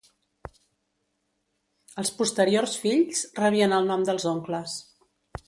Els posteriors fills rebien el nom dels oncles.